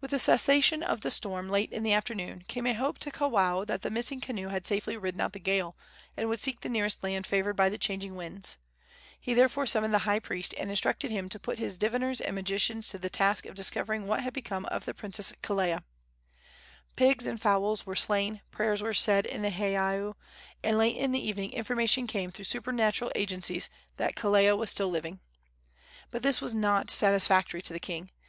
With the cessation of the storm, late in the afternoon, came a hope to Kawao that the missing canoe had safely ridden out the gale, and would seek the nearest land favored by the changing winds. He therefore summoned the high priest, and instructed him to put his diviners and magicians to the task of discovering what had become of the princess Kelea. Pigs and fowls were slain, prayers were said in the heiau, and late in the evening information came through supernatural agencies that Kelea was still living. But this was not satisfactory to the king.